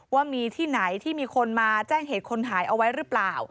ว่ามีที่ไหนที่มีคนมาแจ้งเหตุคนหายเอาไว้หรือเปล่า